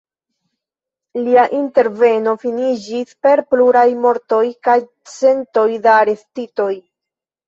Lia interveno finiĝis per pluraj mortoj kaj centoj da arestitoj.